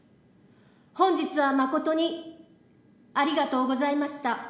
本日はまことにありがとうございました。